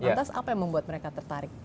lantas apa yang membuat mereka tertarik